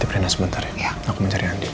titi prerna sebentar ya aku mencari andi